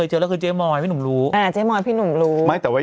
หลายคนอยากรู้ว่าแบบ